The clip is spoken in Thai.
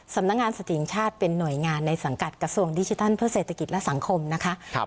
สำนักงานสถิงชาติเป็นหน่วยงานในสังกัดกระทรวงดิจิทัลเพื่อเศรษฐกิจและสังคมนะคะ